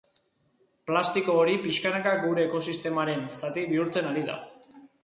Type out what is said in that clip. Plastiko hori pixkanaka gure ekosistemaren zati bihurtzen ari da.